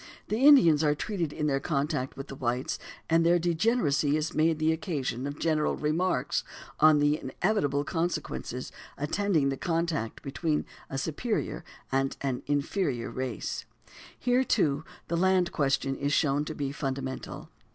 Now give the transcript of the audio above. The Indians are treated in their contact with the whites, and their degeneracy is made the occasion of general remarks on the inevitable consequences attending the contact between a superior and an inferior race (pp. 98 100). Here, too, "the land question" is shown to be fundamental.